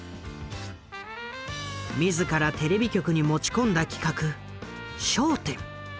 自らテレビ局に持ち込んだ企画「笑点」。